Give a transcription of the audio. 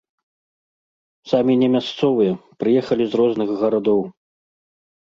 Самі не мясцовыя, прыехалі з розных гарадоў.